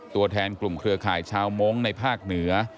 ตัวแทนกลุ่มเครือข่ายชาวมงค์ในภาคเหนือ